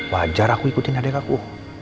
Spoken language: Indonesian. wajar aku ikutin adik aku